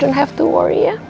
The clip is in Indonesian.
kamu gak harus khawatir ya